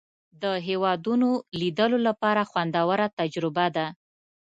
د هېوادونو لیدلو لپاره خوندوره تجربه ده.